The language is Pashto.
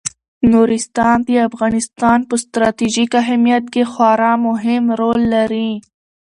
نورستان د افغانستان په ستراتیژیک اهمیت کې خورا مهم رول لري.